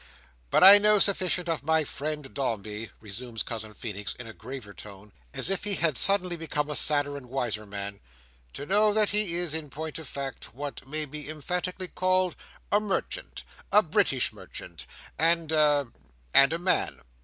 "But I know sufficient of my friend Dombey," resumes Cousin Feenix in a graver tone, as if he had suddenly become a sadder and wiser man, "to know that he is, in point of fact, what may be emphatically called a—a merchant—a British merchant—and a—and a man.